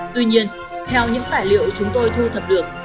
tuy nhiên theo những tài liệu chúng tôi thu thập được